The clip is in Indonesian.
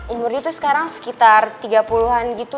umur dia tuh sekarang sekitar tiga puluh an gitu